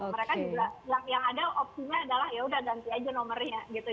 mereka juga yang ada opsinya adalah yaudah ganti aja nomornya gitu